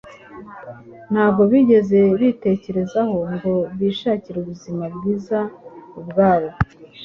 ntabwo bigeze bitekerezaho ngo bishakire ubuzima bwiza ubwabo.